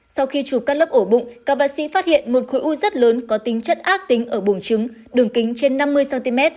sau khi chụp cắt lớp ổ bụng các bác sĩ phát hiện một khối u rất lớn có tính chất ác tính ở buồng trứng đường kính trên năm mươi cm